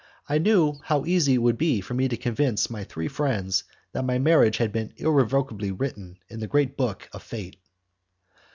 I knew how easy it would be for me to convince my three friends that my marriage had been irrevocably written in the great book of fate.